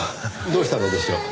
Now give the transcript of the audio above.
どうしたのでしょう？